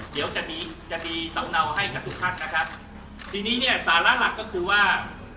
เดี๋ยวจะมีจะมีสำเนาให้กับทุกท่านนะครับทีนี้เนี่ยสาระหลักก็คือว่า